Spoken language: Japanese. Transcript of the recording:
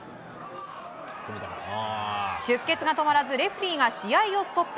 出血が止まらずレフェリーが試合をストップ。